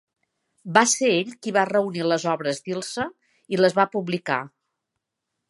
Va ser ell qui va reunir les obres d'Ilse i les va publicar.